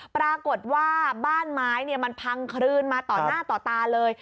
ปรากฏว่าบ้านไม้มันพังคลืนมาต่อหน้าต่อตาเลย